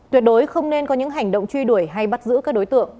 tuyệt đối không nên có những hành động truy đuổi hay bắt giữ các đối tượng